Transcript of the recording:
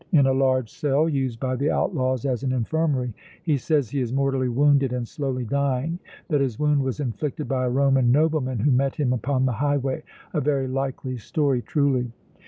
"In a large cell used by the outlaws as an infirmary. He says he is mortally wounded and slowly dying, that his wound was inflicted by a Roman nobleman who met him upon the highway a very likely story, truly!"